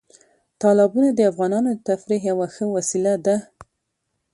تالابونه د افغانانو د تفریح یوه ښه وسیله ده.